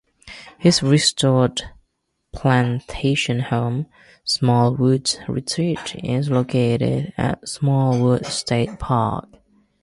His restored plantation home, Smallwood's Retreat, is located at Smallwood State Park.